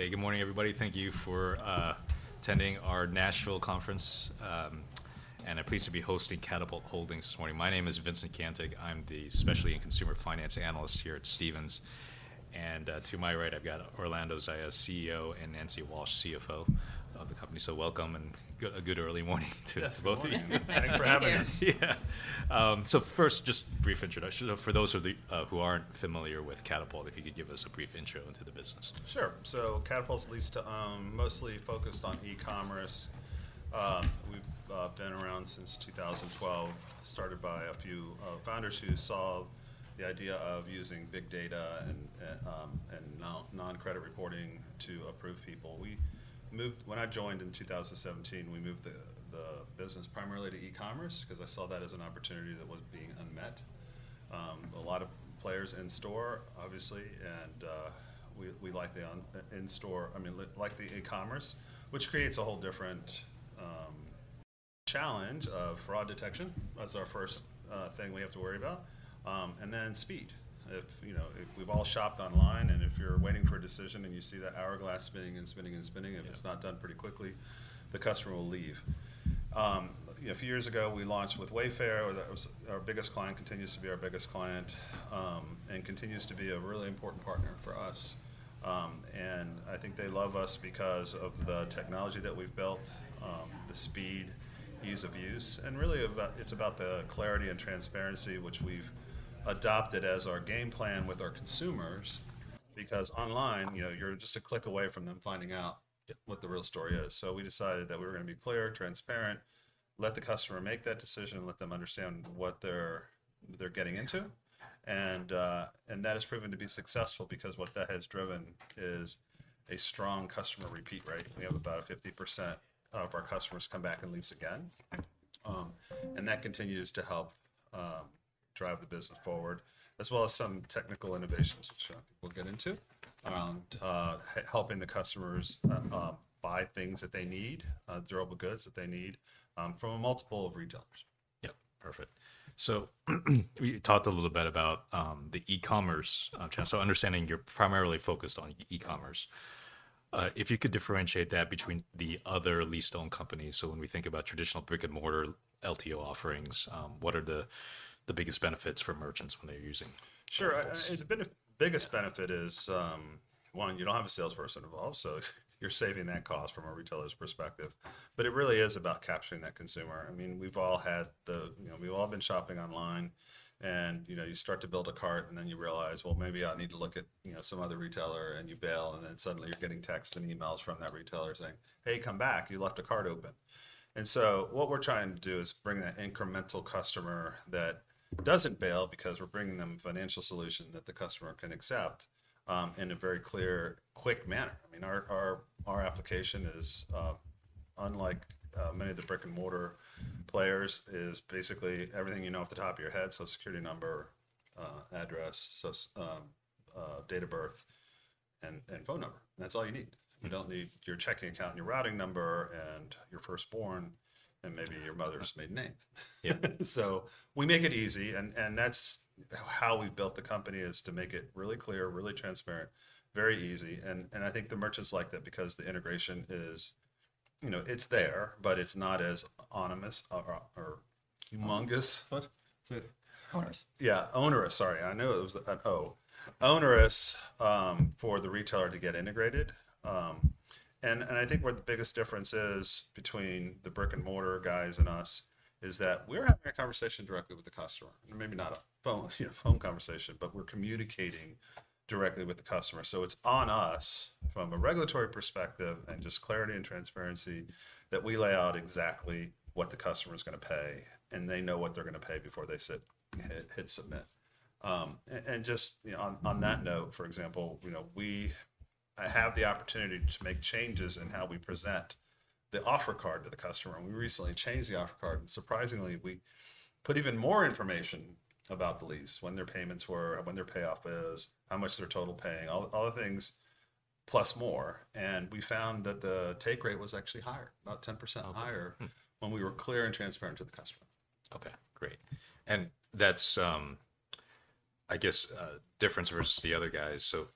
Okay, good morning, everybody. Thank you for attending our Nashville Conference, and I'm pleased to be hosting Katapult Holdings this morning. My name is Vincent Caintic. I'm the specialty and consumer finance analyst here at Stephens, and to my right, I've got Orlando Zayas, CEO, and Nancy Walsh, CFO of the company. So welcome, and a good early morning to both of you. Yes, good morning. Thanks for having us. Yeah. So first, just a brief introduction. For those of the who aren't familiar with Katapult, if you could give us a brief intro into the business. Sure. So Katapult's a lease-to-own, mostly focused on e-commerce. We've been around since 2012, started by a few founders who saw the idea of using big data and non-credit reporting to approve people. We moved... When I joined in 2017, we moved the business primarily to e-commerce, 'cause I saw that as an opportunity that was being unmet. A lot of players in store, obviously, and we like the e-commerce, which creates a whole different challenge of fraud detection. That's our first thing we have to worry about, and then speed. If you know, if we've all shopped online, and if you're waiting for a decision and you see that hourglass spinning and spinning and spinning- Yeah... if it's not done pretty quickly, the customer will leave. A few years ago, we launched with Wayfair. That was our biggest client, continues to be our biggest client, and continues to be a really important partner for us. And I think they love us because of the technology that we've built, the speed, ease of use, and really about, it's about the clarity and transparency, which we've adopted as our game plan with our consumers. Because online, you know, you're just a click away from them finding out what the real story is. So we decided that we were gonna be clear, transparent, let the customer make that decision, and let them understand what they're getting into. And that has proven to be successful because what that has driven is a strong customer repeat rate. We have about 50% of our customers come back and lease again. That continues to help drive the business forward, as well as some technical innovations, which we'll get into, around helping the customers buy things that they need, durable goods that they need, from a multiple of retailers. Yeah, perfect. So, we talked a little bit about the e-commerce channel. So understanding you're primarily focused on e-commerce, if you could differentiate that between the other lease-to-own companies. So when we think about traditional brick-and-mortar LTO offerings, what are the biggest benefits for merchants when they're using Katapult? Sure. The biggest benefit is, one, you don't have a salesperson involved, so you're saving that cost from a retailer's perspective. But it really is about capturing that consumer. I mean, we've all had the... You know, we've all been shopping online, and, you know, you start to build a cart, and then you realize, "Well, maybe I need to look at, you know, some other retailer," and you bail, and then suddenly you're getting texts and emails from that retailer saying, "Hey, come back. You left a cart open." And so what we're trying to do is bring that incremental customer that doesn't bail, because we're bringing them a financial solution that the customer can accept, in a very clear, quick manner. I mean, our application is unlike many of the brick-and-mortar players, is basically everything you know off the top of your head, so Social Security number, address, date of birth, and phone number. That's all you need. Mm-hmm. We don't need your checking account and your routing number, and your firstborn, and maybe your mother's maiden name. Yeah. So we make it easy, and that's how we've built the company is to make it really clear, really transparent, very easy. And I think the merchants like that because the integration is, you know, it's there, but it's not as ominous or humongous, what? Onerous. Yeah, onerous. Sorry, I knew it was an O. Onerous, for the retailer to get integrated. And I think where the biggest difference is between the brick-and-mortar guys and us, is that we're having a conversation directly with the customer. Maybe not a phone, you know, phone conversation, but we're communicating directly with the customer. So it's on us, from a regulatory perspective and just clarity and transparency, that we lay out exactly what the customer's gonna pay, and they know what they're gonna pay before they hit Submit. And just, you know, on that note, for example, you know, we have the opportunity to make changes in how we present the offer card to the customer, and we recently changed the offer card. Surprisingly, we put even more information about the lease, when their payments were, when their payoff is, how much they're total paying, all the, all the things, plus more. We found that the take rate was actually higher, about 10% higher- Okay, hmm... when we were clear and transparent to the customer. Okay, great. And that's, I guess, a difference versus the other guys. So,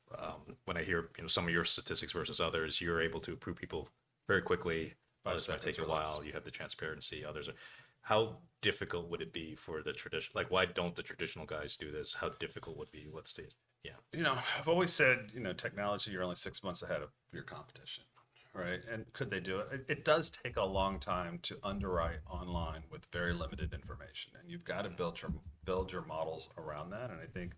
when I hear, you know, some of your statistics versus others, you're able to approve people very quickly- Others might take a while. You have the transparency, others are... How difficult would it be for the traditional—like, why don't the traditional guys do this? How difficult would it be? What's the... Yeah. You know, I've always said, you know, technology, you're only six months ahead of your competition, right? And could they do it? It does take a long time to underwrite online with very limited information, and you've got to build your models around that. And I think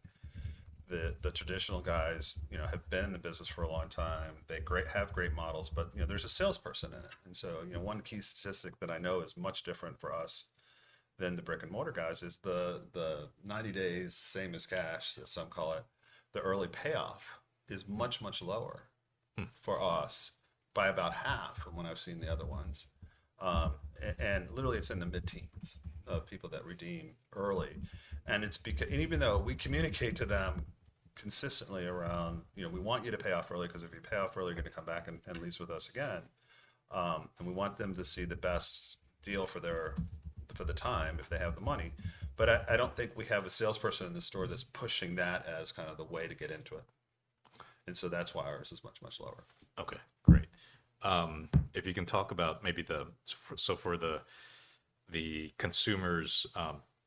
the traditional guys, you know, have been in the business for a long time. They have great models, but, you know, there's a salesperson in it. Mm-hmm. You know, one key statistic that I know is much different for us than the brick-and-mortar guys is the 90 days same as cash, as some call it, the early payoff is much, much lower- Hmm... for us by about half from when I've seen the other ones. And literally, it's in the mid-teens of people that redeem early. And even though we communicate to them consistently around, you know, "We want you to pay off early, 'cause if you pay off early, you're going to come back and lease with us again." And we want them to see the best deal for the time, if they have the money. But I don't think we have a salesperson in the store that's pushing that as kind of the way to get into it, and so that's why ours is much, much lower. Okay, great. If you can talk about maybe, so for the consumers,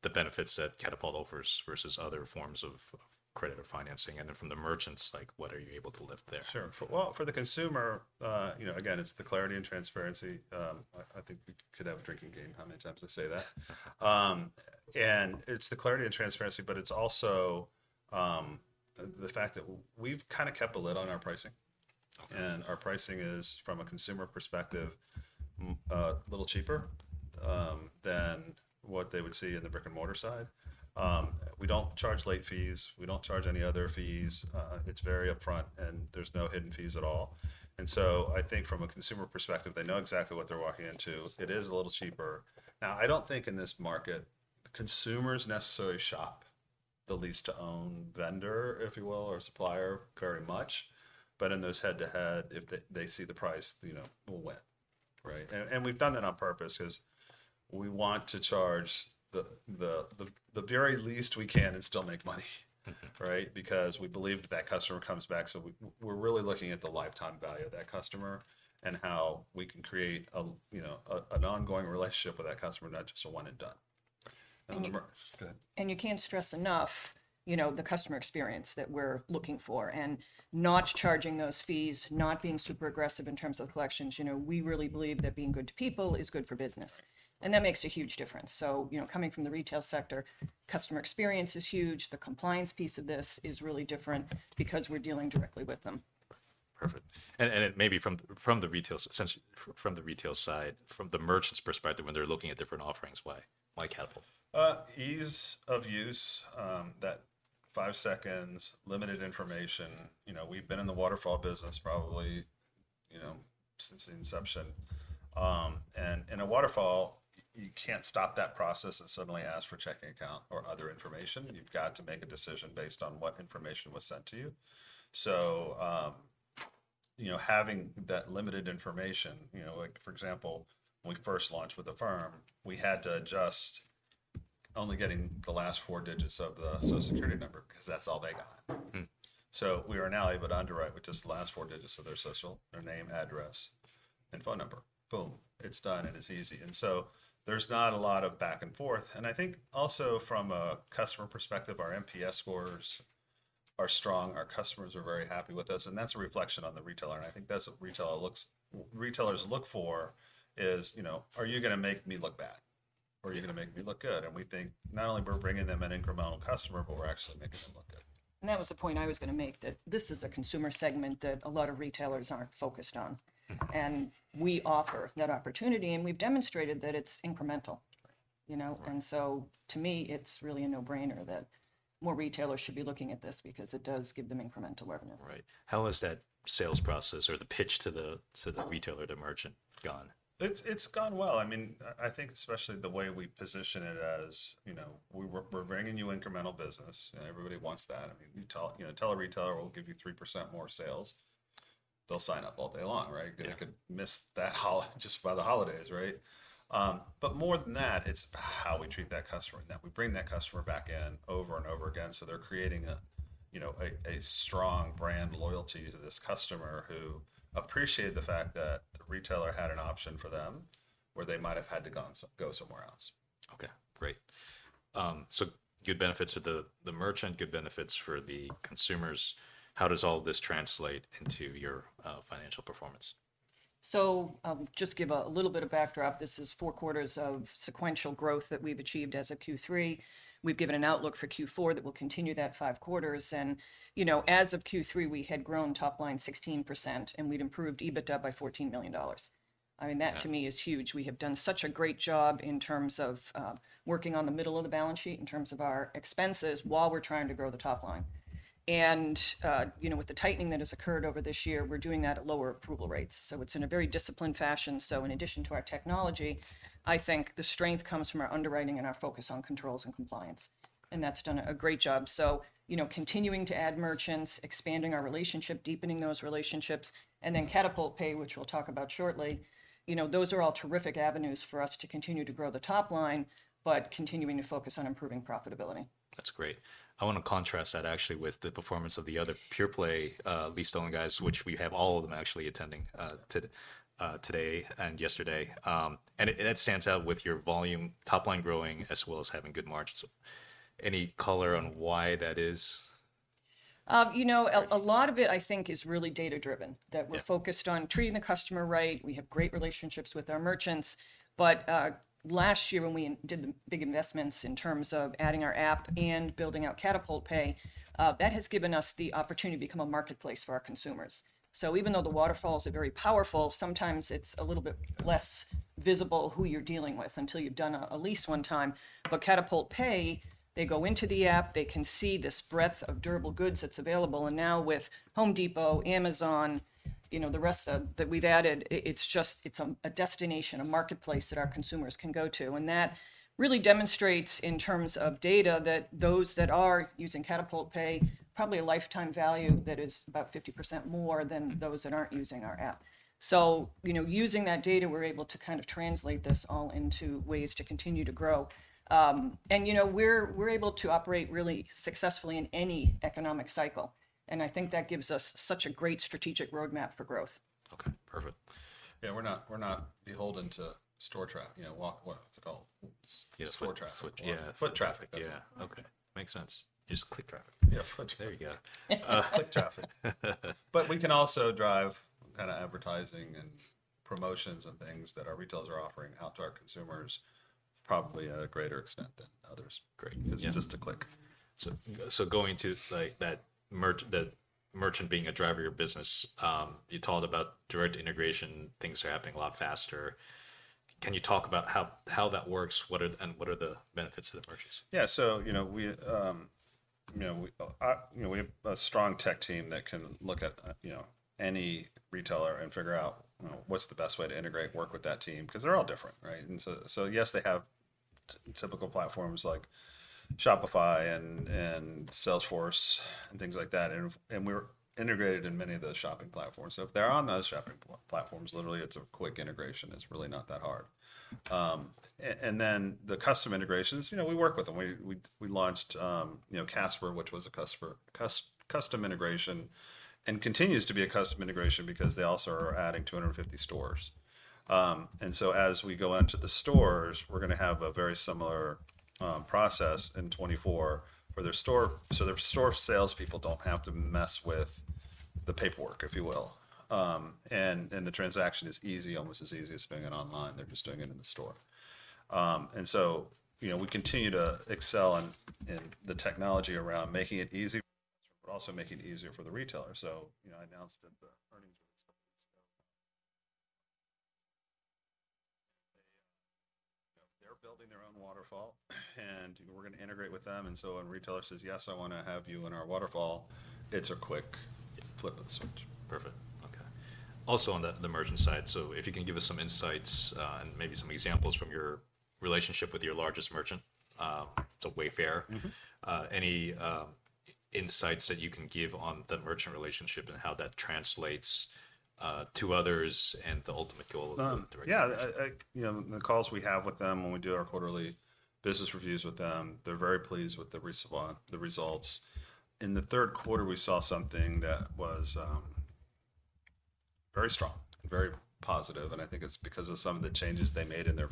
the benefits that Katapult offers versus other forms of credit or financing, and then from the merchants, like, what are you able to lift there? Sure. For the consumer, you know, again, it's the clarity and transparency. I think we could have a drinking game how many times I say that. And it's the clarity and transparency, but it's also the fact that we've kind of kept a lid on our pricing. Okay. Our pricing is, from a consumer perspective, a little cheaper than what they would see in the brick-and-mortar side. We don't charge late fees. We don't charge any other fees. It's very upfront, and there's no hidden fees at all. So I think from a consumer perspective, they know exactly what they're walking into. Exactly. It is a little cheaper. Now, I don't think in this market, consumers necessarily shop the lease-to-own vendor, if you will, or supplier very much. But in those head-to-head, if they see the price, you know, we'll win. Right. We've done that on purpose 'cause we want to charge the very least we can and still make money. Mm-hmm. Right? Because we believe that that customer comes back, so we, we're really looking at the lifetime value of that customer and how we can create a you know, an ongoing relationship with that customer, not just a one and done. Go ahead. And you can't stress enough, you know, the customer experience that we're looking for, and not charging those fees, not being super aggressive in terms of collections. You know, we really believe that being good to people is good for business, and that makes a huge difference. So, you know, coming from the retail sector, customer experience is huge. The compliance piece of this is really different because we're dealing directly with them. Perfect. And maybe from the retail side, from the merchant's perspective, when they're looking at different offerings, why? Why Katapult? Ease of use, that five seconds, limited information. You know, we've been in the waterfall business probably, you know, since the inception. And in a waterfall, you can't stop that process and suddenly ask for a checking account or other information. You've got to make a decision based on what information was sent to you. So, you know, having that limited information, you know, like for example, when we first launched with Affirm, we had to adjust only getting the last four digits of the Social Security number 'cause that's all they got. Hmm. So we are now able to underwrite with just the last four digits of their Social, their name, address, and phone number. Boom, it's done, and it's easy. And so there's not a lot of back and forth. And I think also from a customer perspective, our NPS scores are strong. Our customers are very happy with us, and that's a reflection on the retailer, and I think that's what retailers look for is, you know, "Are you gonna make me look bad, or are you gonna make me look good?" And we think not only we're bringing them an incremental customer, but we're actually making them look good. That was the point I was gonna make, that this is a consumer segment that a lot of retailers aren't focused on. Mm-hmm. We offer that opportunity, and we've demonstrated that it's incremental. Right. You know? Right. To me, it's really a no-brainer that more retailers should be looking at this because it does give them incremental revenue. Right. How has that sales process or the pitch to the- Well... retailer, the merchant, gone? It's gone well. I mean, I think especially the way we position it, as you know, we're bringing you incremental business, and everybody wants that. I mean, you know, tell a retailer, "We'll give you 3% more sales," they'll sign up all day long, right? Yeah. They could miss that just by the holidays, right? But more than that, it's how we treat that customer, that we bring that customer back in over and over again, so they're creating a, you know, a, a strong brand loyalty to this customer who appreciated the fact that the retailer had an option for them, where they might have had to gone go somewhere else. Okay, great. So good benefits for the, the merchant, good benefits for the consumers. How does all this translate into your, financial performance? So, just give a little bit of backdrop, this is four quarters of sequential growth that we've achieved as of Q3. We've given an outlook for Q4 that we'll continue that five quarters, and, you know, as of Q3, we had grown top line 16%, and we'd improved EBITDA by $14 million. Yeah. I mean, that, to me, is huge. We have done such a great job in terms of, working on the middle of the balance sheet, in terms of our expenses, while we're trying to grow the top line. And, you know, with the tightening that has occurred over this year, we're doing that at lower approval rates, so it's in a very disciplined fashion. So in addition to our technology, I think the strength comes from our underwriting and our focus on controls and compliance, and that's done a great job. So, you know, continuing to add merchants, expanding our relationship, deepening those relationships, and then Katapult Pay, which we'll talk about shortly, you know, those are all terrific avenues for us to continue to grow the top line, but continuing to focus on improving profitability. That's great. I wanna contrast that actually with the performance of the other pure-play, lease-to-own guys, which we have all of them actually attending, today and yesterday. And it stands out with your volume, top line growing, as well as having good margins. Any color on why that is? You know, a lot of it, I think, is really data-driven- Yeah... that we're focused on treating the customer right. We have great relationships with our merchants. But last year, when we indeed did the big investments in terms of adding our app and building out Katapult Pay, that has given us the opportunity to become a marketplace for our consumers. So even though the waterfalls are very powerful, sometimes it's a little bit less visible who you're dealing with until you've done a lease one time. But Katapult Pay, they go into the app, they can see this breadth of durable goods that's available, and now with Home Depot, Amazon, you know, the rest of that we've added, it's just a destination, a marketplace that our consumers can go to. That really demonstrates, in terms of data, that those that are using Katapult Pay, probably a lifetime value that is about 50% more than those that aren't using our app. So, you know, using that data, we're able to kind of translate this all into ways to continue to grow. You know, we're able to operate really successfully in any economic cycle, and I think that gives us such a great strategic roadmap for growth. Okay, perfect. Yeah, we're not, we're not beholden to store traffic. You know, walk- what's it called? Yeah, foot- Store traffic. Foot, yeah. Foot traffic. Yeah. Okay, makes sense. Just click traffic. Yeah, foot. There you go. Click traffic. But we can also drive kind of advertising, promotions, and things that our retailers are offering out to our consumers, probably at a greater extent than others. Great. It's just a click. So, going to, like, that merchant being a driver of your business, you talked about direct integration, things are happening a lot faster. Can you talk about how that works, what are and what are the benefits to the merchants? Yeah, so you know, we have a strong tech team that can look at any retailer and figure out what's the best way to integrate, work with that team, 'cause they're all different, right? And so yes, they have typical platforms like Shopify and Salesforce and things like that. And we're integrated in many of those shopping platforms. So if they're on those shopping platforms, literally, it's a quick integration. It's really not that hard. And then the custom integrations, you know, we work with them. We launched Casper, which was a custom integration, and continues to be a custom integration because they also are adding 250 stores. And so as we go into the stores, we're gonna have a very similar process in 2024 for their store, so their store salespeople don't have to mess with the paperwork, if you will. And the transaction is easy, almost as easy as doing it online. They're just doing it in the store. And so, you know, we continue to excel in the technology around making it easy, but also making it easier for the retailer. So, you know, I announced at the earnings a couple weeks ago... They're building their own waterfall, and we're gonna integrate with them. And so when a retailer says, "Yes, I wanna have you in our waterfall," it's a quick flip of the switch. Perfect, okay. Also, on the merchant side, so if you can give us some insights, and maybe some examples from your relationship with your largest merchant, so Wayfair? Mm-hmm. Any insights that you can give on the merchant relationship and how that translates to others and the ultimate goal of the direct integration? Yeah, you know, the calls we have with them when we do our quarterly business reviews with them, they're very pleased with the result, the results. In the third quarter, we saw something that was very strong and very positive, and I think it's because of some of the changes they made in their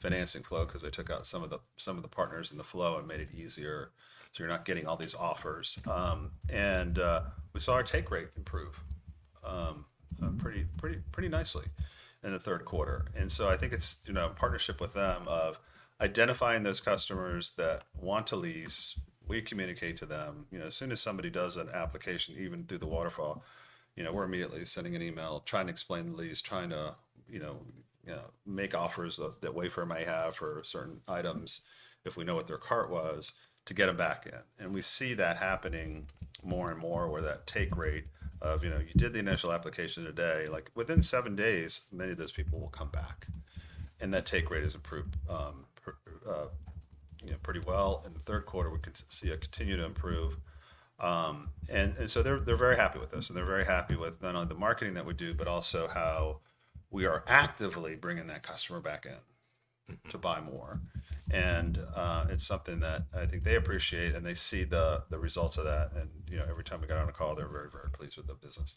financing flow, 'cause they took out some of the partners in the flow and made it easier, so you're not getting all these offers. And we saw our take rate improve. Mm... pretty, pretty, pretty nicely in the third quarter. And so I think it's, you know, a partnership with them of identifying those customers that want to lease. We communicate to them. You know, as soon as somebody does an application, even through the waterfall, you know, we're immediately sending an email, trying to explain the lease, trying to, you know, make offers that, that Wayfair may have for certain items if we know what their cart was, to get them back in. And we see that happening more and more, where that take rate of, you know, you did the initial application today, like, within seven days, many of those people will come back, and that take rate has improved, you know, pretty well. In the third quarter, we could see it continue to improve. and so they're very happy with us, and they're very happy with not only the marketing that we do, but also how we are actively bringing that customer back in- Mm... to buy more. And, it's something that I think they appreciate, and they see the, the results of that. And, you know, every time we get on a call, they're very, very pleased with the business.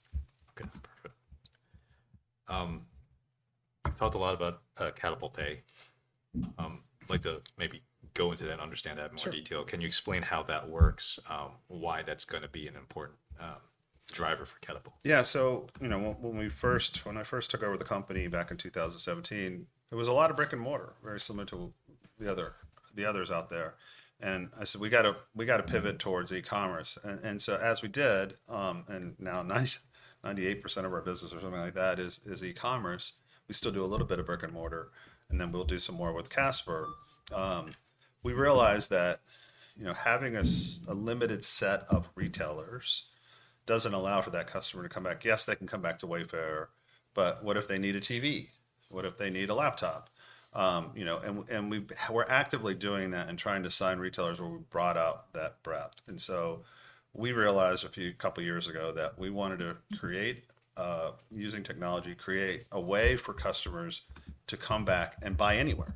Good. Perfect. You've talked a lot about Katapult Pay. I'd like to maybe go into that and understand that in more detail. Sure. Can you explain how that works, why that's gonna be an important driver for Katapult? Yeah, so you know, when I first took over the company back in 2017, there was a lot of brick-and-mortar, very similar to the others out there. And I said, "We gotta pivot towards e-commerce." And so as we did, and now 98% of our business or something like that is e-commerce. We still do a little bit of brick-and-mortar, and then we'll do some more with Casper. We realized that, you know, having a limited set of retailers doesn't allow for that customer to come back. Yes, they can come back to Wayfair, but what if they need a TV? What if they need a laptop? You know, and we've... We're actively doing that and trying to sign retailers where we've brought up that breadth. And so we realized a few, couple years ago that we wanted to create, using technology, create a way for customers to come back and buy anywhere,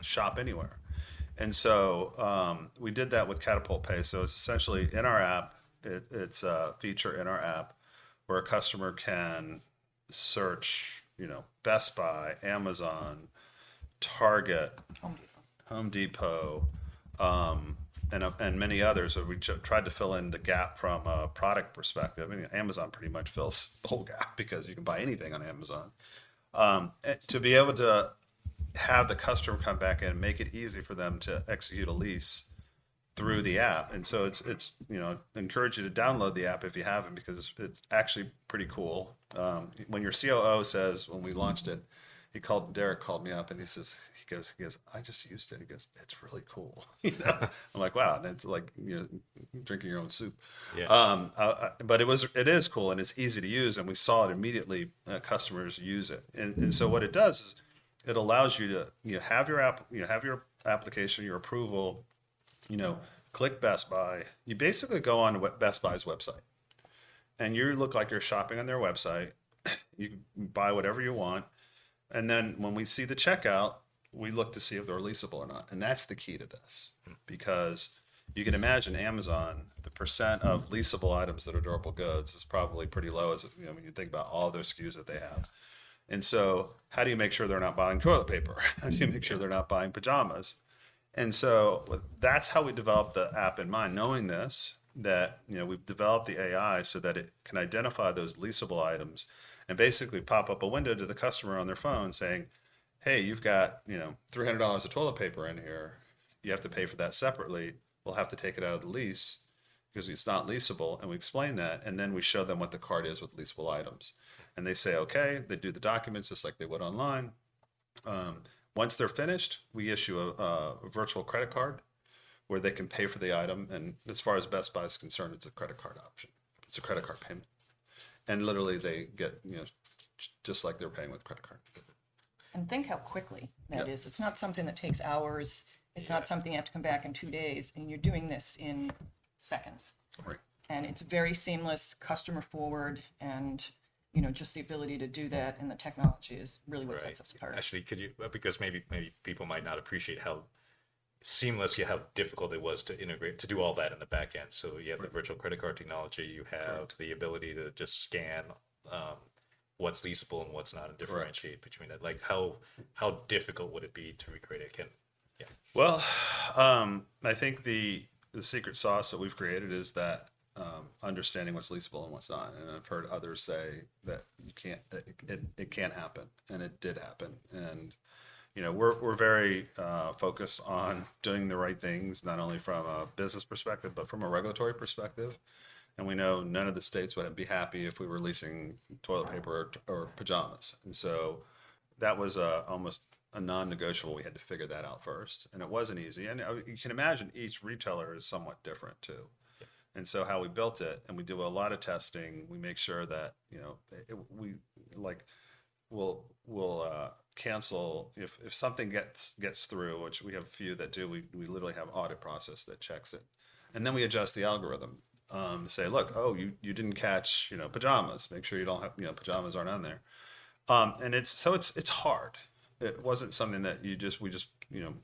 shop anywhere. And so, we did that with Katapult Pay. So it's essentially in our app. It, it's a feature in our app where a customer can search, you know, Best Buy, Amazon, Target- Home Depot... Home Depot, and many others. We tried to fill in the gap from a product perspective. I mean, Amazon pretty much fills the whole gap because you can buy anything on Amazon. To be able to have the customer come back in and make it easy for them to execute a lease through the app, and so it's, it's... You know, I encourage you to download the app if you haven't because it's actually pretty cool. When your COO says when we launched it- Mm... he called, Derek called me up, and he says, he goes, he goes, "I just used it," and he goes, "It's really cool." You know? I'm like, "Wow," and it's like, you know, drinking your own soup. Yeah. It is cool, and it's easy to use, and we saw it immediately. Customers use it. Mm-hmm. So what it does is it allows you to have your app, you have your application, your approval, you know, click Best Buy. You basically go on Best Buy's website, and you look like you're shopping on their website. You buy whatever you want, and then when we see the checkout, we look to see if they're leasable or not, and that's the key to this. Mm. Because you can imagine Amazon, the percent of leasable items that are durable goods is probably pretty low, as if, you know, when you think about all their SKUs that they have. And so, how do you make sure they're not buying toilet paper? How do you make sure they're not buying pajamas? And so, that's how we developed the app in mind, knowing this, that, you know, we've developed the AI so that it can identify those leasable items and basically pop up a window to the customer on their phone saying, "Hey, you've got, you know, $300 of toilet paper in here. You have to pay for that separately. We'll have to take it out of the lease, because it's not leasable." And we explain that, and then we show them what the cart is with leasable items. And they say, "Okay." They do the documents just like they would online. Once they're finished, we issue a virtual credit card where they can pay for the item, and as far as Best Buy is concerned, it's a credit card option. It's a credit card payment. And literally, they get, you know, just like they're paying with a credit card. Think how quickly that is. Yeah. It's not something that takes hours. Yeah. It's not something you have to come back in two days, and you're doing this in seconds. Right. It's very seamless, customer-forward, and, you know, just the ability to do that- Yeah... and the technology is really what sets us apart. Right. Actually, could you... because maybe, maybe people might not appreciate how seamless, yet how difficult it was to integrate, to do all that in the back end. Right. You have the virtual credit card technology- Right... you have the ability to just scan, what's leasable and what's not- Right... and differentiate between that. Like, how, how difficult would it be to recreate at Kim? Yeah. Well, I think the secret sauce that we've created is that understanding what's leasable and what's not, and I've heard others say that you can't. That it can't happen, and it did happen. And, you know, we're very focused on doing the right things, not only from a business perspective, but from a regulatory perspective. And we know none of the states would be happy if we were leasing toilet paper- Right ...or, or pajamas. And so that was almost a non-negotiable. We had to figure that out first, and it wasn't easy. And you can imagine each retailer is somewhat different, too. Yeah. And so how we built it, and we do a lot of testing, we make sure that, you know, it- we like... We'll cancel... If something gets through, which we have a few that do, we literally have an audit process that checks it. And then we adjust the algorithm to say, "Look, oh, you didn't catch, you know, pajamas. Make sure you don't have... You know, pajamas aren't on there." And it's so it's hard. It wasn't something that you just- we just, you know,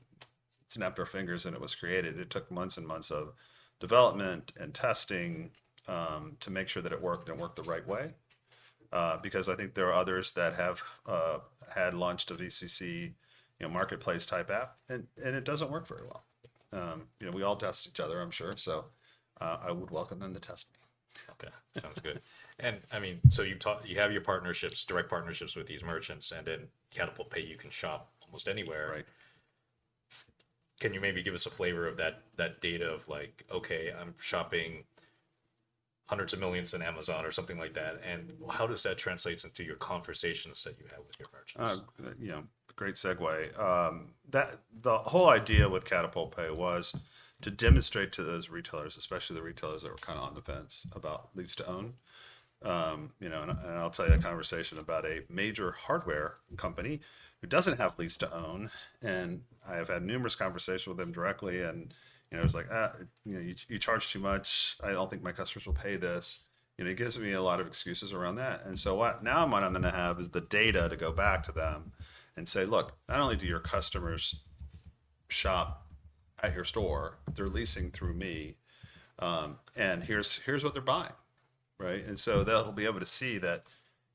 snapped our fingers, and it was created. It took months and months of development and testing to make sure that it worked and worked the right way. Because I think there are others that have had launched a VCC, you know, marketplace-type app, and it doesn't work very well. You know, we all test each other, I'm sure, so, I would welcome them to test me. Okay, sounds good. I mean, so you've talked... You have your partnerships, direct partnerships with these merchants, and in Katapult Pay, you can shop almost anywhere. Right. Can you maybe give us a flavor of that, that data of like, okay, I'm shopping $hundreds of millions in Amazon or something like that, and how does that translates into your conversations that you have with your merchants? Oh, you know, great segue. The whole idea with Katapult Pay was to demonstrate to those retailers, especially the retailers that were kind of on the fence about lease-to-own. You know, I'll tell you a conversation about a major hardware company who doesn't have lease-to-own, and I have had numerous conversations with them directly, and, you know, it's like, "You know, you charge too much. I don't think my customers will pay this." You know, he gives me a lot of excuses around that. And so now what I'm gonna have is the data to go back to them and say, "Look, not only do your customers shop at your store, they're leasing through me, and here's what they're buying," right? And so they'll be able to see that,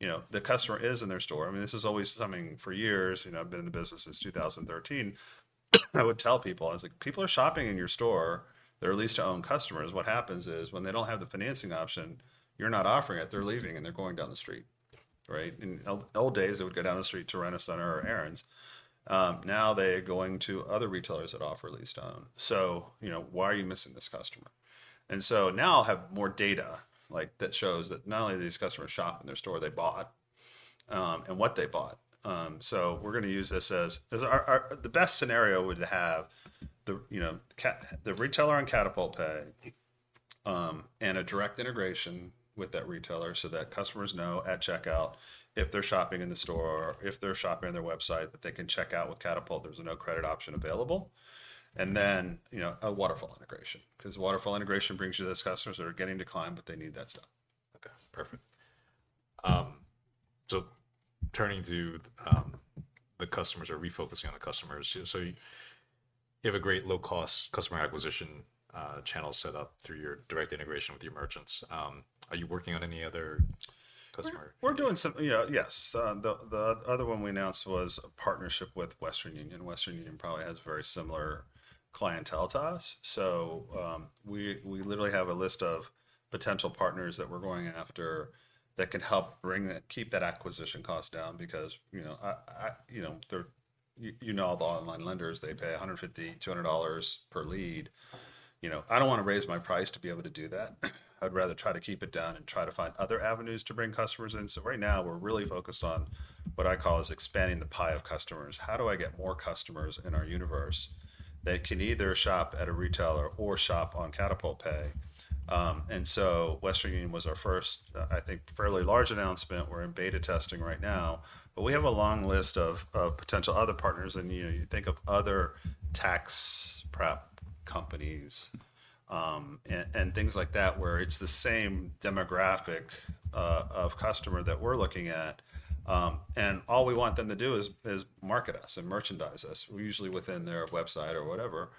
you know, the customer is in their store. I mean, this is always something for years, you know, I've been in the business since 2013, I would tell people, I was like, "People are shopping in your store. They're lease-to-own customers. What happens is, when they don't have the financing option, you're not offering it, they're leaving, and they're going down the street." Right? In old, old days, they would go down the street to Rent-A-Center or Aaron’s. Now they are going to other retailers that offer lease-to-own. "So, you know, why are you missing this customer?" And so now I have more data like, that shows that not only do these customers shop in their store, they bought, and what they bought. So we're gonna use this as, as our, our... The best scenario would have the, you know, Kat- the retailer on Katapult Pay, and a direct integration with that retailer so that customers know at checkout, if they're shopping in the store or if they're shopping on their website, that they can check out with Katapult. There's a no-credit option available. And then, you know, a waterfall integration, 'cause waterfall integration brings you those customers that are getting declined, but they need that stuff. Okay, perfect. So turning to the customers or refocusing on the customers. So you have a great low-cost customer acquisition channel set up through your direct integration with the merchants. Are you working on any other customer- We're doing something. Yeah, yes. The other one we announced was a partnership with Western Union. Western Union probably has very similar clientele to us, so we literally have a list of potential partners that we're going after that can help bring that, keep that acquisition cost down because, you know, I... You know, they're... You know all the online lenders, they pay $150, $200 per lead. You know, I don't wanna raise my price to be able to do that. I'd rather try to keep it down and try to find other avenues to bring customers in. So right now, we're really focused on what I call is expanding the pie of customers. How do I get more customers in our universe that can either shop at a retailer or shop on Katapult Pay? And so Western Union was our first, I think, fairly large announcement. We're in beta testing right now, but we have a long list of potential other partners. And, you know, you think of other tax prep companies, and things like that, where it's the same demographic of customer that we're looking at. And all we want them to do is market us and merchandise us. Well, usually within their website or whatever,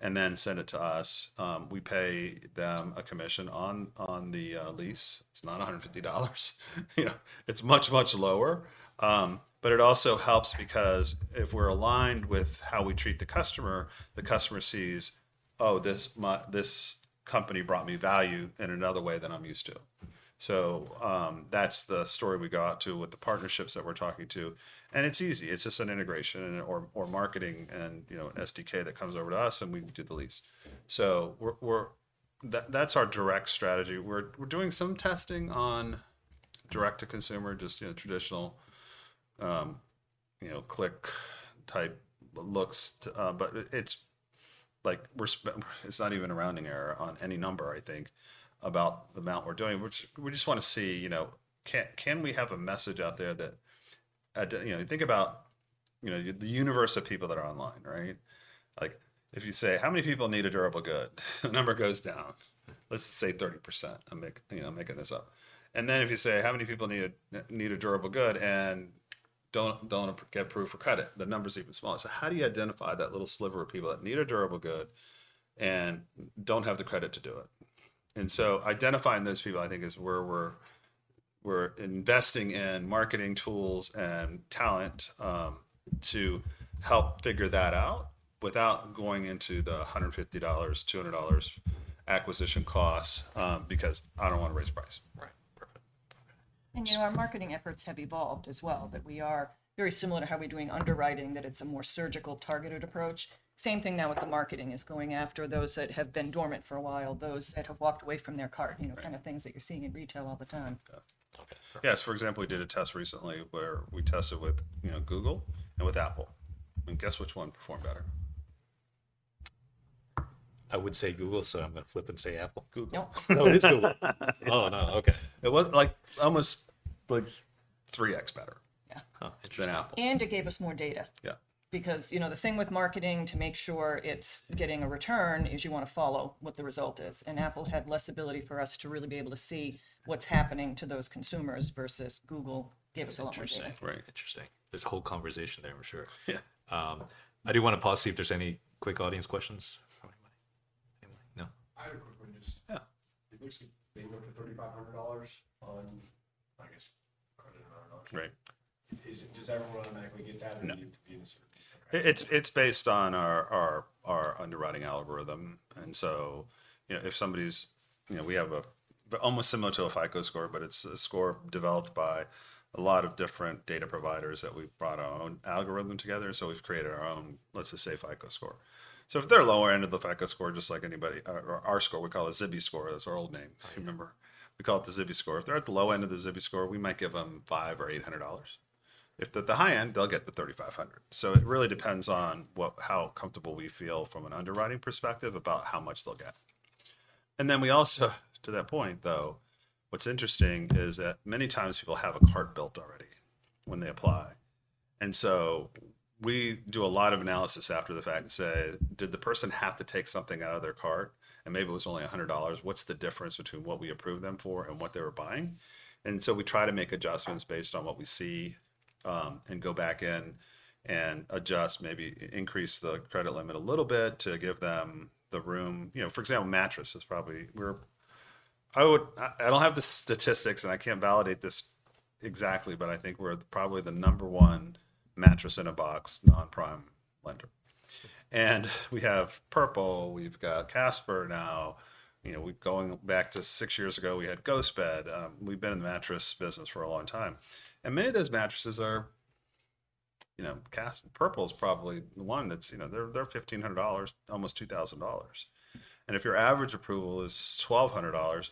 and then send it to us. We pay them a commission on the lease. It's not $150 you know, it's much, much lower. But it also helps because if we're aligned with how we treat the customer, the customer sees, "Oh, this company brought me value in another way than I'm used to." So, that's the story we got to with the partnerships that we're talking to, and it's easy. It's just an integration and, or, or marketing, and, you know, an SDK that comes over to us, and we do the lease. So we're... That's our direct strategy. We're doing some testing on direct-to-consumer, just, you know, traditional, you know, click-type but looks. But it's, like, it's not even a rounding error on any number, I think, about the amount we're doing, which we just want to see, you know, can we have a message out there that, you know, think about, you know, the, the universe of people that are online, right? Like, if you say, "How many people need a durable good?" The number goes down, let's say 30%. I'm, you know, making this up. And then if you say, "How many people need a, need a durable good and don't, don't get approved for credit?" The number is even smaller. So how do you identify that little sliver of people that need a durable good and don't have the credit to do it? Identifying those people, I think, is where we're investing in marketing tools and talent to help figure that out without going into the $150-$200 acquisition costs, because I don't want to raise price. Right. Perfect. You know, our marketing efforts have evolved as well. That we are very similar to how we're doing underwriting, that it's a more surgical, targeted approach. Same thing now with the marketing, is going after those that have been dormant for a while, those that have walked away from their cart- Right... you know, kind of things that you're seeing in retail all the time. Okay. Yes. For example, we did a test recently where we tested with, you know, Google and with Apple, and guess which one performed better? I would say Google, so I'm gonna flip and say, Apple. Google. Nope. Oh, it is Google. Oh, no. Okay. It was, like, almost, like, 3x better- Yeah. Huh, interesting. Than Apple. It gave us more data. Yeah. Because, you know, the thing with marketing, to make sure it's getting a return, is you want to follow what the result is, and Apple had less ability for us to really be able to see what's happening to those consumers versus Google gave us a lot more- Interesting. Right. Interesting. There's a whole conversation there, I'm sure. Yeah. I do want to pause, see if there's any quick audience questions. No? I had a quick one, just- Yeah. It looks like they go up to $3,500 on, I guess, credit or not. Right. Does everyone automatically get that? No... or do you have to be inserted? It's based on our underwriting algorithm, and so, you know, if somebody's... You know, we have almost similar to a FICO score, but it's a score developed by a lot of different data providers that we've brought our own algorithm together. So we've created our own, let's just say, FICO score. So if they're lower end of the FICO score, just like anybody... Or our score, we call it Zibby Score. That's our old name- Oh... if you remember. We call it the Zibby Score. If they're at the low end of the Zibby Score, we might give them $500 or $800. If they're at the high end, they'll get the $3,500. So it really depends on how comfortable we feel from an underwriting perspective about how much they'll get. And then we also... To that point, though, what's interesting is that many times people have a cart built already when they apply. And so we do a lot of analysis after the fact and say: Did the person have to take something out of their cart? And maybe it was only $100. What's the difference between what we approved them for and what they were buying? We try to make adjustments based on what we see, and go back in and adjust, maybe increase the credit limit a little bit to give them the room. You know, for example, mattress is probably... I would... I don't have the statistics, and I can't validate this exactly, but I think we're probably the number one mattress-in-a-box non-prime lender. And we have Purple, we've got Casper now, you know, going back to six years ago, we had GhostBed. We've been in the mattress business for a long time, and many of those mattresses are, you know, Casper—Purple is probably the one that's, you know, they're $1,500, almost $2,000. And if your average approval is $1,200,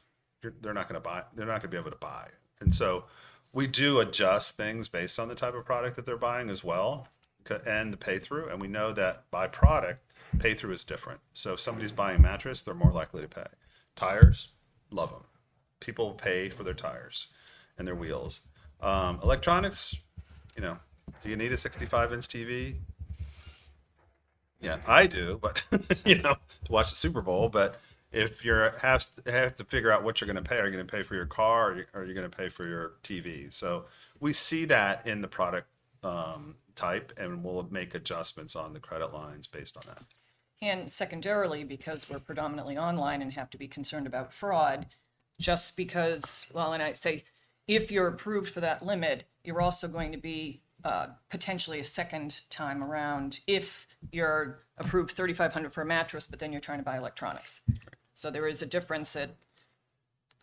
they're not gonna buy—they're not gonna be able to buy. And so we do adjust things based on the type of product that they're buying as well to and the pay through, and we know that by product, pay through is different. So if somebody's buying a mattress, they're more likely to pay. Tires, love them. People pay for their tires and their wheels. Electronics, you know, do you need a 65-inch TV? Yeah, I do, but you know, to watch the Super Bowl, but if you have to figure out what you're gonna pay, are you gonna pay for your car, or are you gonna pay for your TV? So we see that in the product type, and we'll make adjustments on the credit lines based on that. Secondarily, because we're predominantly online and have to be concerned about fraud, just because... Well, and I'd say, if you're approved for that limit, you're also going to be, potentially a second time around if you're approved $3,500 for a mattress, but then you're trying to buy electronics. Right. There is a difference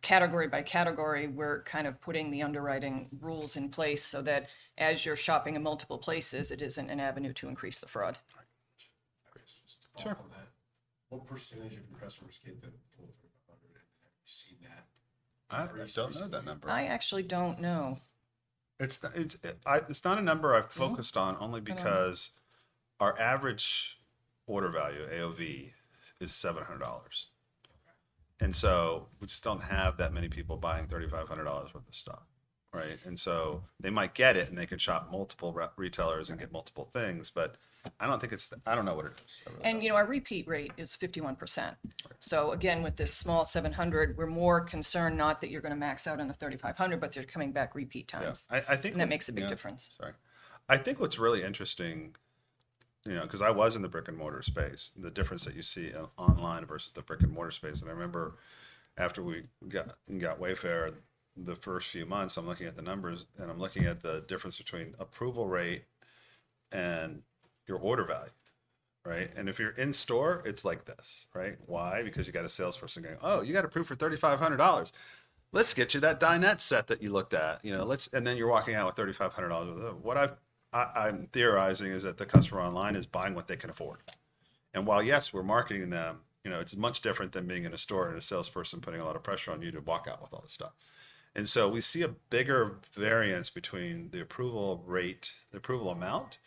category by category. We're kind of putting the underwriting rules in place so that as you're shopping in multiple places, it isn't an avenue to increase the fraud. Right. I guess just to follow on that- Sure... what percentage of your customers get the full $3,500, and have you seen that? I don't know that number. I actually don't know. It's not, it's not a number I've focused on- Mm-hmm ...only because our average order value, AOV, is $700... and so we just don't have that many people buying $3,500 worth of stuff, right? And so they might get it, and they can shop multiple retailers- Yeah... and get multiple things, but I don't think it's. I don't know what it is. You know, our repeat rate is 51%. Right. So again, with this small $700, we're more concerned not that you're gonna max out on the $3,500, but they're coming back repeat times. Yeah, I think that- And that makes a big difference. Yeah, sorry. I think what's really interesting, you know, 'cause I was in the brick-and-mortar space, the difference that you see online versus the brick-and-mortar space. And I remember after we got Wayfair, the first few months, I'm looking at the numbers, and I'm looking at the difference between approval rate and your order value, right? And if you're in store, it's like this, right? Why? Because you got a salesperson going, "Oh, you got approved for $3,500. Let's get you that dinette set that you looked at. You know, let's..." And then you're walking out with $3,500 worth of... What I'm theorizing is that the customer- Mm... online is buying what they can afford. And while, yes, we're marketing them, you know, it's much different than being in a store and a salesperson putting a lot of pressure on you to walk out with all this stuff. And so we see a bigger variance between the approval rate, the approval amount,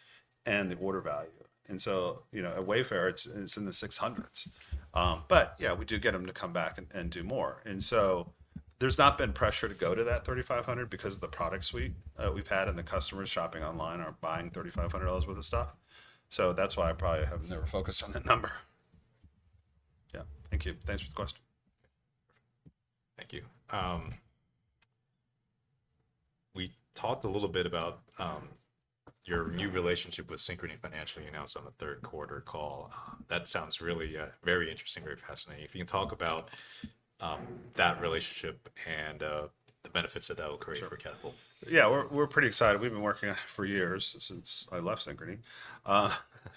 and the order value. And so, you know, at Wayfair, it's, it's in the 600s. But yeah, we do get them to come back and, and do more. And so there's not been pressure to go to that $3,500 because of the product suite, we've had, and the customers shopping online aren't buying $3,500 worth of stuff. So that's why I probably have never focused on that number. Yeah. Thank you. Thanks for the question. Thank you. We talked a little bit about your new relationship- Mm... with Synchrony Financial you announced on the third quarter call. That sounds really very interesting, very fascinating. If you can talk about that relationship and the benefits that that will create for Katapult. Sure. Yeah, we're pretty excited. We've been working on it for years, since I left Synchrony.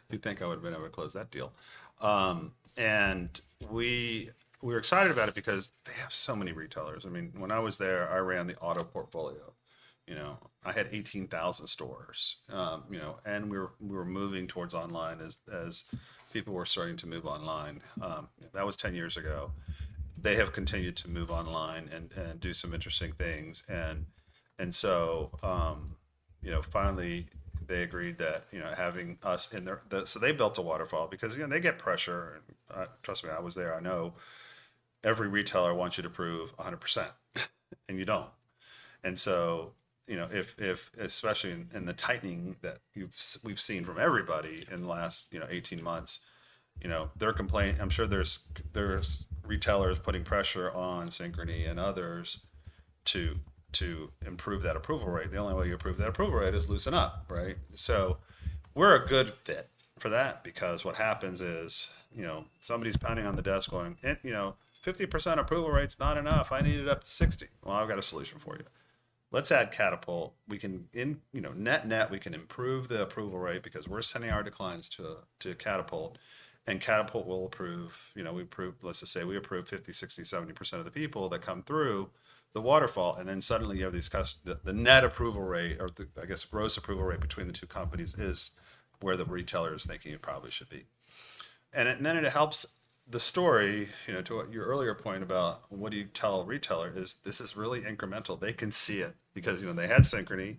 You'd think I would've been able to close that deal. And we're excited about it because they have so many retailers. I mean, when I was there, I ran the auto portfolio, you know. I had 18,000 stores. You know, and we were moving towards online as people were starting to move online. That was 10 years ago. They have continued to move online and do some interesting things. And so, you know, finally, they agreed that, you know, having us in their... So they built a waterfall because, you know, they get pressure, and trust me, I was there, I know. Every retailer wants you to approve 100%, and you don't. So, you know, if especially in the tightening that we've seen from everybody in the last, you know, 18 months, you know, I'm sure there's retailers putting pressure on Synchrony and others to improve that approval rate. The only way you improve that approval rate is loosen up, right? So we're a good fit for that because what happens is, you know, somebody's pounding on the desk, going, "Hey, you know, 50% approval rate's not enough. I need it up to 60." Well, I've got a solution for you. Let's add Katapult. We can, you know, net-net, we can improve the approval rate because we're sending our declines to Katapult, and Katapult will approve... You know, we approve, let's just say we approve 50%, 60%, 70% of the people that come through the waterfall, and then suddenly you have these the, the net approval rate or the, I guess, gross approval rate between the two companies is where the retailer is thinking it probably should be. And then it helps the story, you know, to what your earlier point about what do you tell a retailer is this is really incremental. They can see it because, you know, they had Synchrony,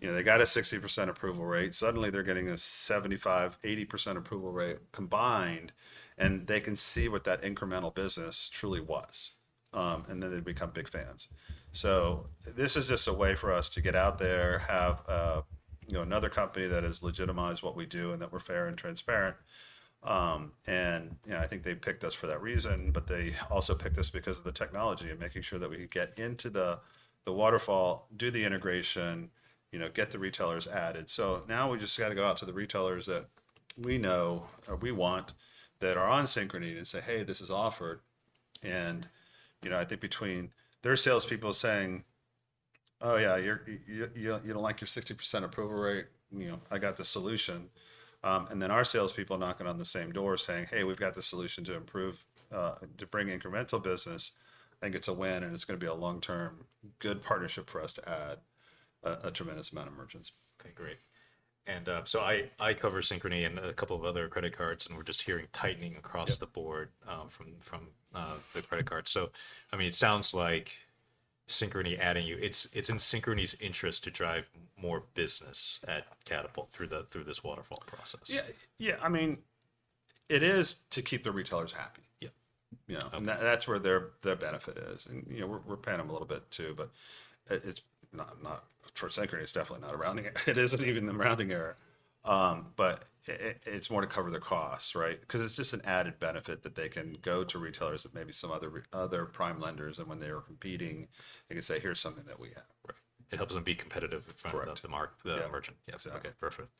you know, they got a 60% approval rate. Suddenly, they're getting a 75%, 80% approval rate combined, and they can see what that incremental business truly was. And then they become big fans. So this is just a way for us to get out there, have, you know, another company that has legitimized what we do and that we're fair and transparent. And, you know, I think they picked us for that reason, but they also picked us because of the technology and making sure that we could get into the waterfall, do the integration, you know, get the retailers added. So now we just gotta go out to the retailers that we know or we want, that are on Synchrony and say, "Hey, this is offered." And, you know, I think between their salespeople saying, "Oh yeah, you're, you don't like your 60% approval rate? You know, I got the solution, and then our salespeople knocking on the same door saying: "Hey, we've got the solution to improve, to bring incremental business," I think it's a win, and it's gonna be a long-term good partnership for us to add a tremendous amount of merchants. Okay, great. And, so I cover Synchrony and a couple of other credit cards, and we're just hearing tightening across- Yeah... the board, from the credit card. So I mean, it sounds like Synchrony adding you, it's in Synchrony's interest to drive more business at Katapult through this waterfall process. Yeah. Yeah, I mean, it is to keep the retailers happy. Yeah. You know- Okay... and that's where their benefit is, and, you know, we're paying them a little bit too, but it's not a rounding error. For Synchrony, it's definitely not a rounding error. It isn't even a rounding error. But it's more to cover their costs, right? Because it's just an added benefit that they can go to retailers that maybe some other prime lenders, and when they are competing, they can say, "Here's something that we have. Right. It helps them be competitive- Correct... to mark the merchant. Yeah. Yes. Okay, perfect.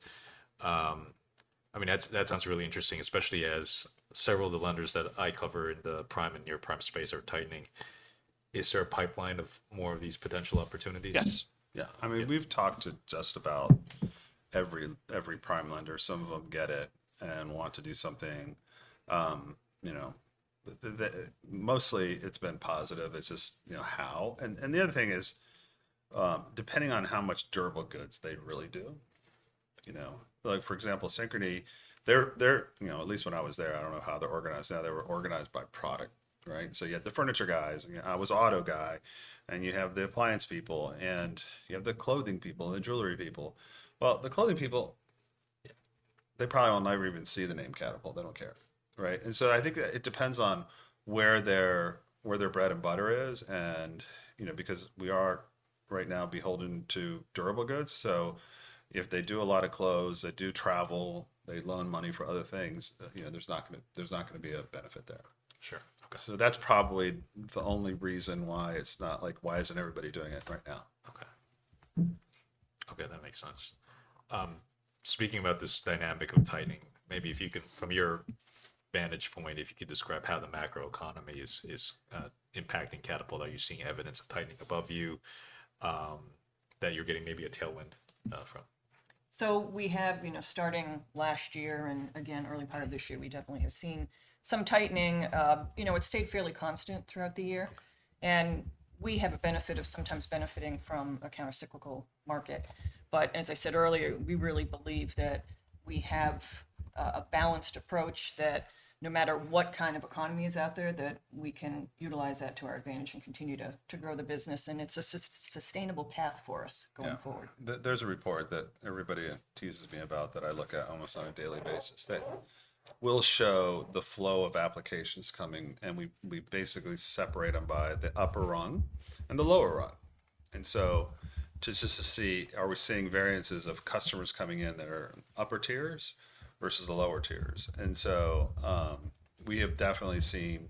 I mean, that, that sounds really interesting, especially as several of the lenders that I cover in the prime and near-prime space are tightening. Is there a pipeline of more of these potential opportunities? Yes. Yeah. Yeah. I mean, we've talked to just about every, every prime lender. Some of them get it and want to do something. You know, mostly it's been positive. It's just, you know, how. And the other thing is, depending on how much durable goods they really do, you know. Like, for example, Synchrony, they're, they're—you know, at least when I was there, I don't know how they're organized now, they were organized by product, right? So you had the furniture guys, and, you know, I was auto guy, and you have the appliance people, and you have the clothing people and the jewelry people. Well, the clothing people—they probably will never even see the name Katapult. They don't care, right? And so I think it depends on where their bread and butter is, and, you know, because we are right now beholden to durable goods, so if they do a lot of clothes, they do travel, they loan money for other things, you know, there's not gonna be a benefit there. Sure. Okay. That's probably the only reason why it's not like, why isn't everybody doing it right now? Okay. Okay, that makes sense. Speaking about this dynamic of tightening, maybe if you could, from your vantage point, if you could describe how the macroeconomy is impacting Katapult. Are you seeing evidence of tightening above you that you're getting maybe a tailwind from? So we have, you know, starting last year and again, early part of this year, we definitely have seen some tightening. You know, it's stayed fairly constant throughout the year, and we have a benefit of sometimes benefiting from a countercyclical market. But as I said earlier, we really believe that we have a balanced approach, that no matter what kind of economy is out there, that we can utilize that to our advantage and continue to grow the business, and it's a sustainable path for us- Yeah... going forward. There's a report that everybody teases me about that I look at almost on a daily basis, that will show the flow of applications coming, and we basically separate them by the upper rung and the lower rung. And so just to see, are we seeing variances of customers coming in that are upper tiers versus the lower tiers? And so, we have definitely seen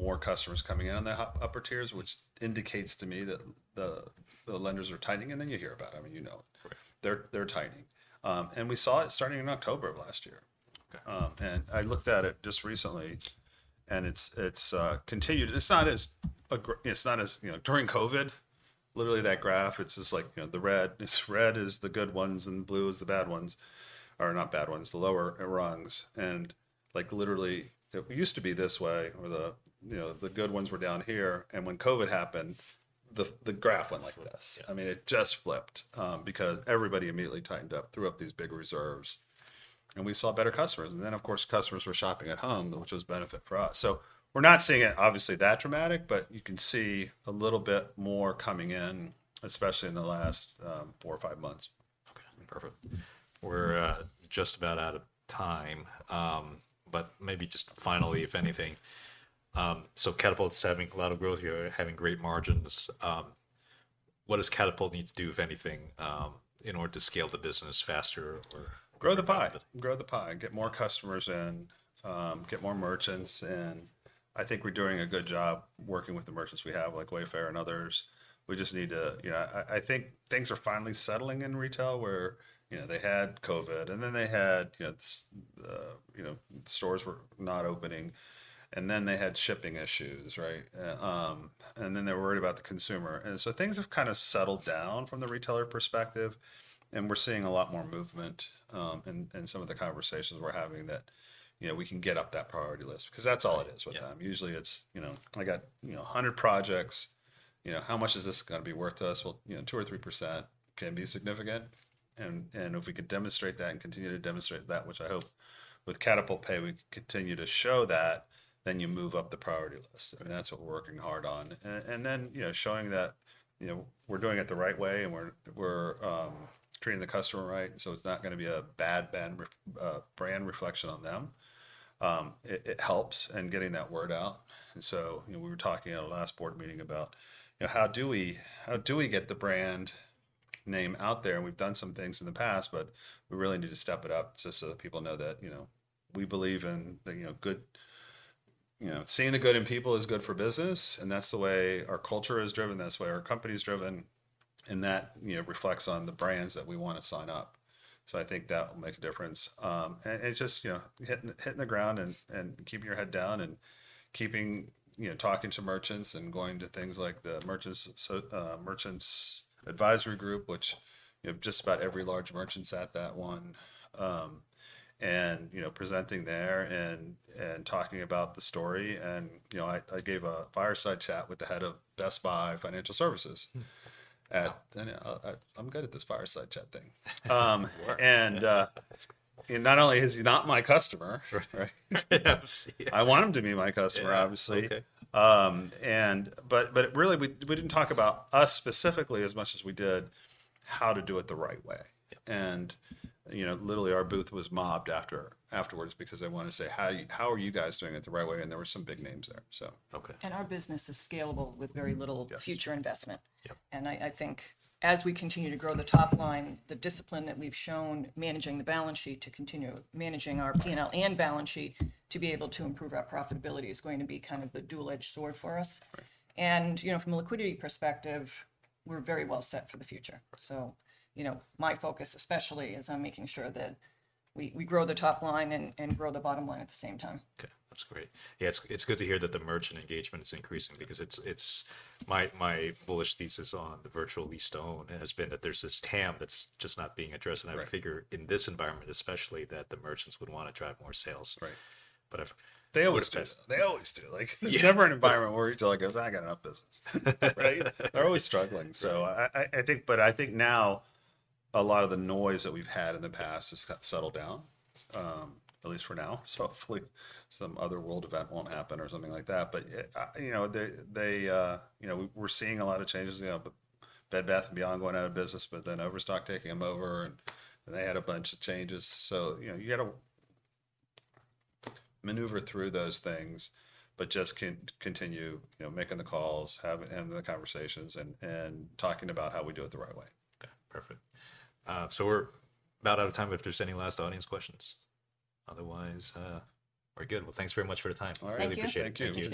more customers coming in on the upper tiers, which indicates to me that the lenders are tightening, and then you hear about it. I mean, you know it. Right. They're tightening. And we saw it starting in October of last year. Okay. I looked at it just recently, and it's continued. It's not as... You know, during COVID, literally that graph, it's just like, you know, the red. It's red is the good ones and blue is the bad ones, or not bad ones, the lower rungs. And like, literally, it used to be this way, where you know, the good ones were down here, and when COVID happened, the graph went like this. Yeah. I mean, it just flipped, because everybody immediately tightened up, threw up these big reserves, and we saw better customers. And then, of course, customers were shopping at home, which was a benefit for us. So we're not seeing it obviously that dramatic, but you can see a little bit more coming in, especially in the last, four or five months. Okay, perfect. We're just about out of time, but maybe just finally, if anything, so Katapult's having a lot of growth here, having great margins. What does Katapult need to do, if anything, in order to scale the business faster or- Grow the pie. Grow the- Grow the pie, get more customers, and get more merchants. And I think we're doing a good job working with the merchants we have, like Wayfair and others. We just need to... You know, I, I think things are finally settling in retail where, you know, they had COVID, and then they had, you know, stores were not opening, and then they had shipping issues, right? And then they were worried about the consumer. And so things have kind of settled down from the retailer perspective, and we're seeing a lot more movement in some of the conversations we're having that, you know, we can get up that priority list, because that's all it is with them. Yeah. Usually it's, you know, "I got, you know, 100 projects. You know, how much is this gonna be worth to us?" Well, you know, 2%-3% can be significant. And if we could demonstrate that and continue to demonstrate that, which I hope with Katapult Pay we continue to show that, then you move up the priority list. Yeah. And that's what we're working hard on. And then, you know, showing that, you know, we're doing it the right way, and we're treating the customer right, so it's not gonna be a bad brand reflection on them. It helps in getting that word out. And so, you know, we were talking at our last board meeting about, you know, how do we get the brand name out there? And we've done some things in the past, but we really need to step it up just so that people know that, you know, we believe in the good. You know, seeing the good in people is good for business, and that's the way our culture is driven, that's the way our company's driven, and that, you know, reflects on the brands that we wanna sign up. So I think that will make a difference. And it's just, you know, hitting the ground and keeping your head down and keeping, you know, talking to merchants and going to things like the Merchant Advisory Group, which, you know, just about every large merchant's at that one. And, you know, presenting there and talking about the story. And, you know, I gave a fireside chat with the head of Best Buy Financial Services. Hmm. I'm good at this fireside chat thing. You are. Um, and, uh- That's great... and not only is he not my customer- Right... Right? Yes. Yeah. I want him to be my customer, obviously. Yeah. Okay. But really, we didn't talk about us specifically, as much as we did how to do it the right way. Yeah. You know, literally, our booth was mobbed afterwards because they wanted to say, "How are you guys doing it the right way?" And there were some big names there, so. Okay. Our business is scalable with very little- Yes... future investment. Yep. I, I think as we continue to grow the top line, the discipline that we've shown managing the balance sheet, to continue managing our P&L and balance sheet, to be able to improve our profitability is going to be kind of the dual-edged sword for us. Right. You know, from a liquidity perspective, we're very well set for the future. You know, my focus, especially, is on making sure that we grow the top line and grow the bottom line at the same time. Okay, that's great. Yeah, it's good to hear that the merchant engagement is increasing because it's... My bullish thesis on the virtual lease-to-own has been that there's this TAM that's just not being addressed. Right. I would figure in this environment especially, that the merchants would wanna drive more sales. Right. But if- They always do. Yes. They always do. Like- Yeah... there's never an environment where a retailer goes, "I got enough business." Right? They're always struggling. So I think, but I think now, a lot of the noise that we've had in the past has got settled down, at least for now. So hopefully, some other world event won't happen or something like that. But, you know, they, they, you know, we're seeing a lot of changes. You know, Bed Bath & Beyond going out of business, but then Overstock taking them over, and, and they had a bunch of changes. So, you know, you gotta maneuver through those things, but just continue, you know, making the calls, having, having the conversations, and, and talking about how we do it the right way. Okay, perfect. So we're about out of time, but if there's any last audience questions? Otherwise, we're good. Well, thanks very much for your time. All right. Thank you. Thank you. We appreciate it. Thank you.